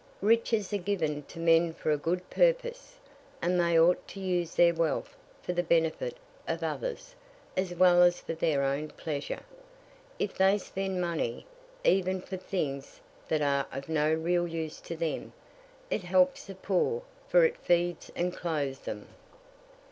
"Riches are given to men for a good purpose; and they ought to use their wealth for the benefit of others, as well as for their own pleasure. If they spend money, even for things that are of no real use to them, it helps the poor, for it feeds and clothes them."